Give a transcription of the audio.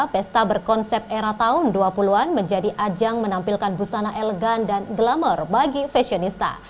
pesta berkonsep era tahun dua puluh an menjadi ajang menampilkan busana elegan dan glamour bagi fashionista